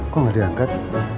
kok gak diangkat